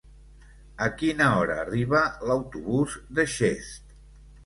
A quina hora arriba l'autobús de Xest?